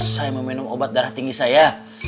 saya mau minum obat darah tinggi saya